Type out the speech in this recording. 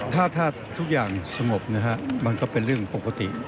ถ้าทุกอย่างสงบนะฮะมันก็เป็นเรื่องปกติ